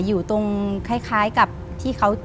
อยู่ตรงคล้ายกับที่เขา